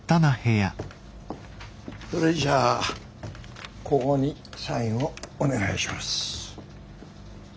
それじゃあここにサインをお願いします。